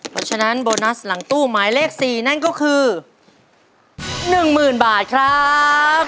เพราะฉะนั้นโบนัสหลังตู้หมายเลข๔นั่นก็คือ๑๐๐๐บาทครับ